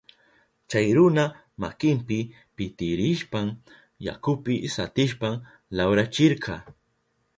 Chay runa makinpi pitirishpan yakupi satishpan lawrachirka.